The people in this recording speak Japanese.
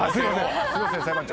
すいません裁判長。